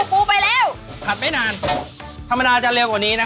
ปูไปแล้วผัดไม่นานธรรมดาจะเร็วกว่านี้นะ